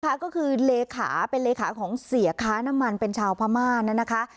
ก็คือเลขาเป็นเลขาของเสียค้าน้ำมันเป็นชาวพม่านะคะ